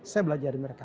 saya belajar dari mereka